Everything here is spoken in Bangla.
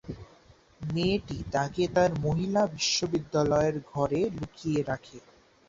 মেয়েটি তাকে তার মহিলা বিশ্ববিদ্যালয়ের ঘরে লুকিয়ে রাখে।